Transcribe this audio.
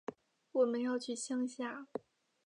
我们要去乡下